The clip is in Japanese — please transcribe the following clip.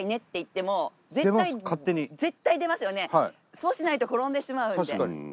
そうしないと転んでしまうので。